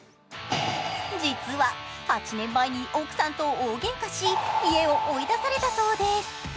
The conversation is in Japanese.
実は８年前に奥さんと大げんかし、家を追い出されたそうです。